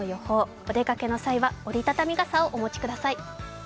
お出かけの際は折り畳み傘をお持ちください。